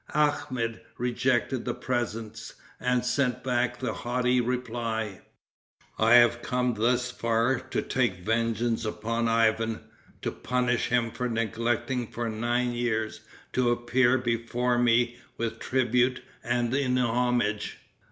Akhmet rejected the presents, and sent back the haughty reply: "I have come thus far to take vengeance upon Ivan; to punish him for neglecting for nine years to appear before me with tribute and in homage.